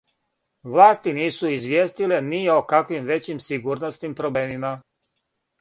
Власти нису извијестиле ни о каквим већим сигурносним проблемима.